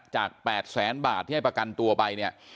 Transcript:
จาก๘แสนบาทที่ให้ประกันตัวไปเนี่ย